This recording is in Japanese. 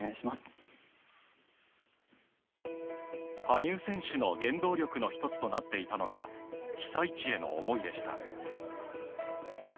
羽生選手の原動力の１つとなっていたのが被災地への思いでした。